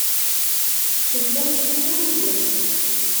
Tellam tettmurudem.